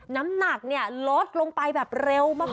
น้ำหนักลดลงไปแบบเร็วมาก